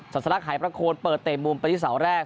ัสลักหายประโคนเปิดเตะมุมไปที่เสาแรก